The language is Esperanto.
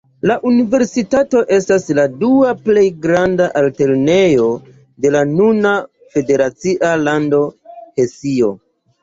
La universitato estas la dua plej granda altlernejo de la nuna federacia lando Hesio.